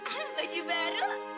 wah baju baru